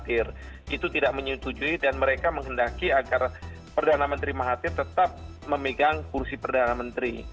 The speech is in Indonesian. itu tidak menyetujui dan mereka menghendaki agar perdana menteri mahathir tetap memegang kursi perdana menteri